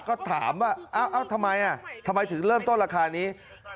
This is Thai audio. ก็ถามว่าทำไมทำไมถึงเริ่มต้นราคานี้